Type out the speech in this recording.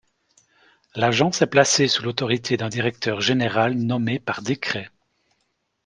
L’Agence est placée sous l’autorité d’un directeur général nommé par décret.